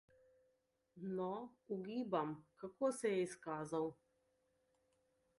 No, ugibam, kako se je izkazal?